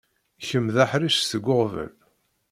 Kemm d aḥric seg uɣbel.